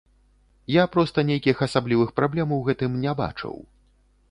Я проста нейкіх асаблівых праблем у гэтым не бачыў.